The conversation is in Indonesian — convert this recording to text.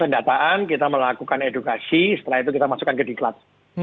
pendataan kita melakukan edukasi setelah itu kita masukkan ke diklat